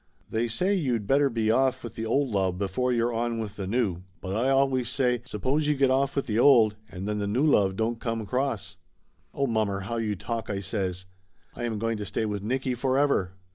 They say you'd better be off with the old love before you're on with the new, but I always say, suppose you get off with the old, and then the new love don't come across ?" "Oh, mommer, how you talk!" I says. "I am going to stay with Nicky forever